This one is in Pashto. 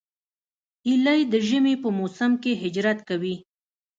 هیلۍ د ژمي په موسم کې هجرت کوي